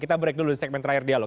kita break dulu segmen terakhir dialog